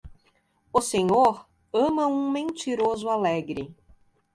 O Senhor ama um mentiroso alegre.